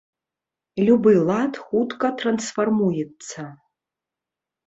Любы лад хутка трансфармуецца.